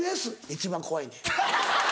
一番怖いねん。